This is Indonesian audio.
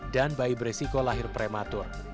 dan bayi beresiko lahir prematur